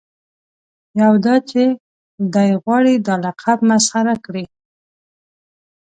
یو دا چې دای غواړي دا لقب مسخره کړي.